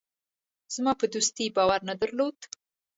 زما په دوستۍ باور نه درلود.